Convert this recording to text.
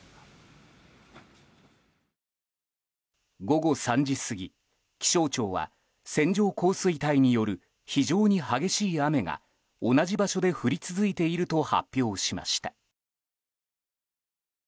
午後３時過ぎ、気象庁は線状降水帯による非常に激しい雨が、同じ場所で降り続いていると発表しました。